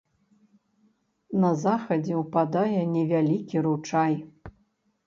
На захадзе ўпадае невялікі ручай.